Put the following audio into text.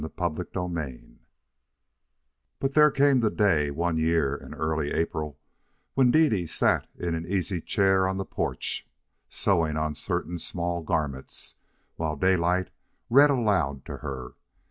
CHAPTER XXVII But there came the day, one year, in early April, when Dede sat in an easy chair on the porch, sewing on certain small garments, while Daylight read aloud to her.